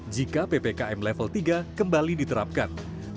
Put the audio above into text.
jika ppkm level tiga kembali diterapkan